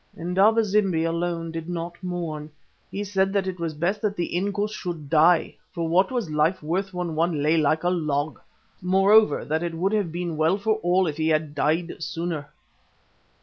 Indaba zimbi alone did not mourn. He said that it was best that the Inkoos should die, for what was life worth when one lay like a log?—moreover, that it would have been well for all if he had died sooner.